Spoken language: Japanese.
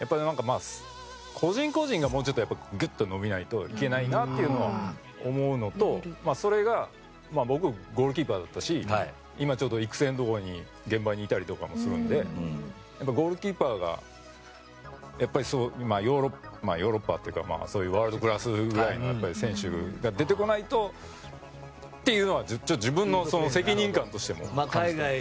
個人個人がもうちょっと伸びないといけないなというのを思うのとそれが僕ゴールキーパーだったし今、ちょうど育成の現場にいたりとかもするのでゴールキーパーが今、ヨーロッパというかそういうワールドクラスくらいの選手が出てこないとっていうのは自分の責任感として感じてます。